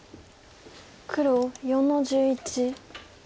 黒４の十一。